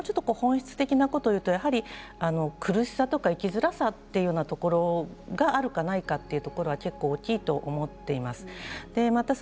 私はひきこもりは、もう少し本質的なことを言うと苦しさとか生きづらさというようなところがあるかないかというところは結構大きいと思っています。